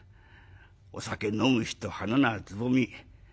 『お酒飲む人花ならつぼみ